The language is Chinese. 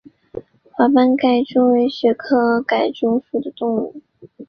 华斑盖蛛为皿蛛科盖蛛属的动物。